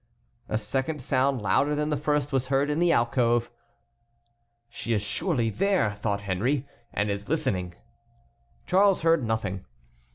A second sound louder than the first was heard in the alcove. "She is surely there," thought Henry, "and is listening." Charles heard nothing.